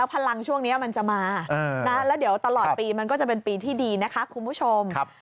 พลังช่วงนี้มันจะมาแล้วเดี๋ยวตลอดปีมันก็จะเป็นปีที่ดีนะคะคุณผู้ชม